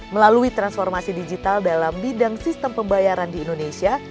melalui transformasi digital dalam bidang sistem pembayaran di indonesia